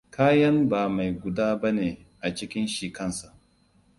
Kayan ba mai guba bane a cikin shi kansa.